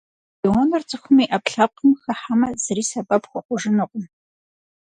Прионыр цӏыхум и ӏэпкълъэпкъым хыхьэмэ, зыри сэбэп хуэхъужынукъым.